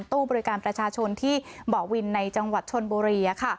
ตู้บริการประชาชนที่เบาะวินในจังหวัดชนบุรี